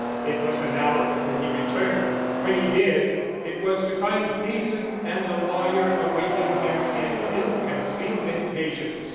It was an hour before he returned. When he did, it was to find Hazen and the lawyer awaiting him in ill concealed impatience.